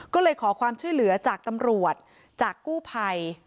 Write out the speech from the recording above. ก็เลยขอความช่วยเหลือจากตำรวจจากกู้ภัย